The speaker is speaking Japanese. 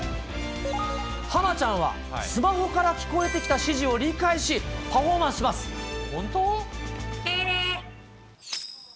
ハマちゃんはスマホから聞こえてきた指示を理解し、パフォーマンスします。本当？